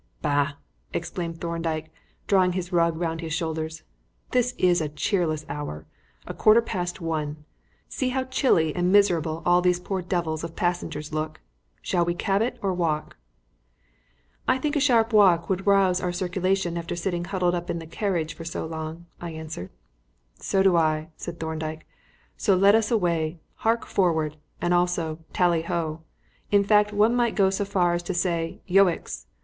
"Bah!" exclaimed Thorndyke, drawing his rug round his shoulders; "this is a cheerless hour a quarter past one. See how chilly and miserable all these poor devils of passengers look. Shall we cab it or walk?" "I think a sharp walk would rouse our circulation after sitting huddled up in the carriage for so long," I answered. "So do I," said Thorndyke, "so let us away; hark forward! and also Tally Ho! In fact one might go so far as to say Yoicks!